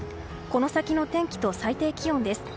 この先の天気と最低気温です。